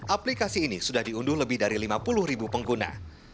aplikasi ini sudah diunduh lebih dari lima puluh ribu pengguna